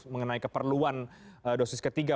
mengenai keperluan dosis ketiga